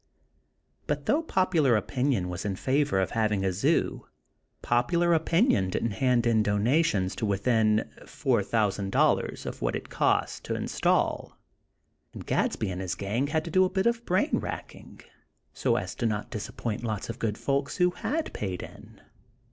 But though popular opinion was in favor of having a zoo, popular opinion didn't hand in donations to within four thousand dollars of what it would cost to install; and Gadsby and his "gang" had to do a bit of brain racking, so as not to disappoint lots of good folks who had paid in.